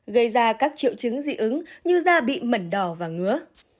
gây ra các triệu chứng dị ứng như da bị mẩn đỏ và ngứa